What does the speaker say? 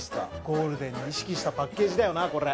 ゴールデンを意識したパッケージだよなこれ。